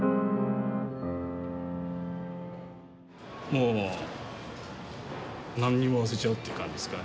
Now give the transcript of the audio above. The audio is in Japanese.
もう何にも忘れちゃうっていう感じですか。